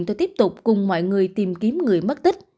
tôi tiếp tục cùng mọi người tìm kiếm người mất tích